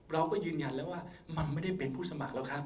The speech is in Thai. เราก็ยืนยันแล้วว่ามันไม่ได้เป็นผู้สมัครแล้วครับ